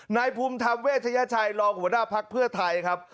นายภูมิธรรมเวชยชัยรองหัวหน้าภักดิ์เพื่อไทยครับ